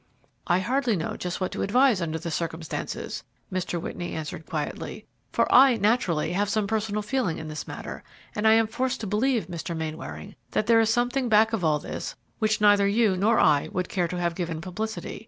"I hardly know just what to advise under the circumstances," Mr. Whitney answered, quietly, "for I, naturally, have some personal feeling in this matter, and I am forced to believe, Mr. Mainwaring, that there is something back of all this which neither you nor I would care to have given publicity.